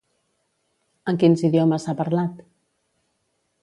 En quins idiomes ha parlat?